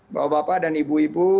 bapak bapak dan ibu ibu